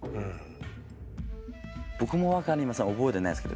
僕も分かりません覚えてないです